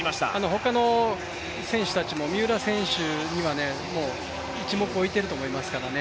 他の選手たちも三浦選手にはもう一目置いていると思いますからね。